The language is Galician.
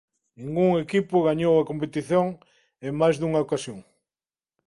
Ningún equipo gañou a competición en máis dunha ocasión.